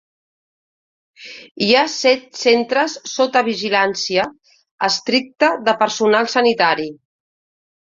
Hi ha set centres sota vigilància estricta de personal sanitari.